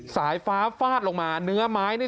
สายฟ้าฟาดลงมาเนื้อไม้นี่